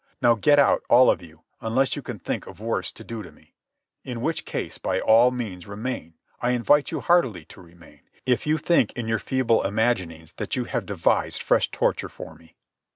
Now get out, all of you, unless you can think of worse to do to me. In which case, by all means remain. I invite you heartily to remain, if you think in your feeble imaginings that you have devised fresh torture for me."